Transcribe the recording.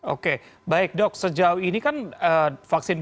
oke baik dok sejauh ini kan vaksin